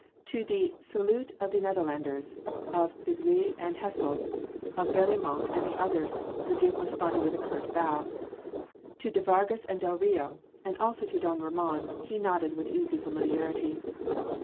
To the salute of the Netherlanders of Viglius and Hessels, of Berlaymont and the others, the Duke responded with a curt bow to de Vargas and del Rio, and also to don Ramon, he nodded with easy familiarity.